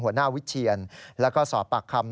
หัวหน้าวิเชียนแล้วก็สอบปากคำ